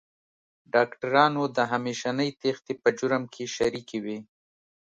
ډاکټرانو د همېشنۍ تېښتې په جرم کې شریکې وې.